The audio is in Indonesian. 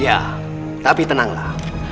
ya tapi tenanglah